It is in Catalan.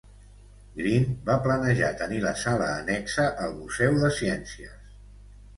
Green va planejar tenir la sala annexa al Museu de Ciències.